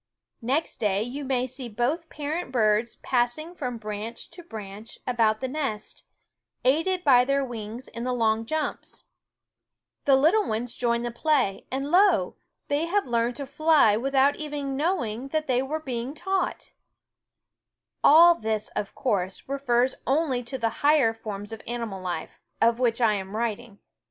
Next day you may see both parent birds passing from branch to branch about the nest, aided by their wings in the long jumps. The little 12 Onffie Way 9 SCHOOL OF ones join the play, and lo ! they have learned to fly without even knowing that they were All this, of course, refers only to the higher forms of animal life, of which I am writing.